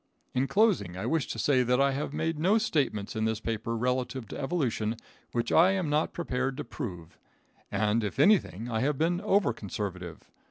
In closing I wish to say that I have made no statements in this paper relative to evolution which I am not prepared to prove; and, if anything, I have been over conservative.